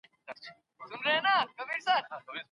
ډاکټر زیار لا هم د ژبې په اړه تحقیق کوي.